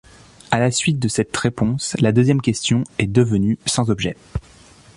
À la suite de cette réponse, la deuxième question est devenue sans objet.